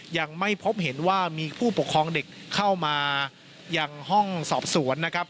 ยังไม่พบเห็นว่ามีผู้ปกครองเด็กเข้ามายังห้องสอบสวนนะครับ